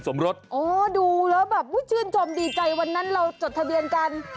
มาจากผู้ชื่นชมดีใจวันนั้นเราจดทะเบียนกัน